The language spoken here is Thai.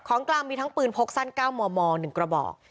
กลางมีทั้งปืนพกสั้น๙มม๑กระบอก